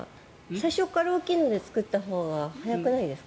最初から大きいのを使ったほうが早くないですか？